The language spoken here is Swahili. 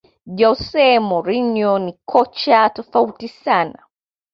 jose mourinho ni kocha tofautisana